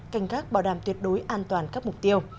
cảnh các bảo đảm tuyệt đối an toàn các mục tiêu